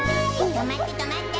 とまってとまって！